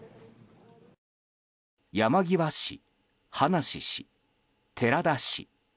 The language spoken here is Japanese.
山際氏、葉梨氏、寺田氏。